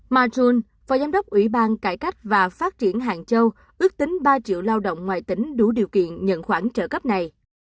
mahone phó giám đốc ủy ban cải cách và phát triển hàng châu ước tính ba triệu lao động ngoài tỉnh đủ điều kiện nhận khoản trợ cấp này